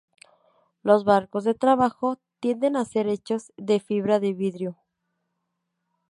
Los barcos de trabajo tienden a ser hechos de fibra de vidrio.